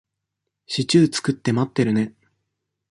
シチュー作って待ってるね。